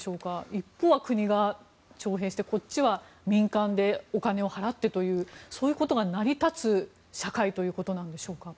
一方は国が徴兵してこっちは民間でお金を払ってということが成り立つ社会なんでしょうか。